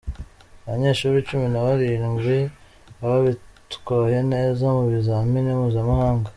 Abanyeshuri Cumi Nabarindwi ba bitwaye neza mu bizamini mpuzamahanga